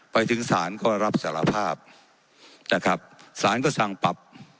ไปถึงศาลก็รับสารภาพนะครับสารก็สั่งปรับ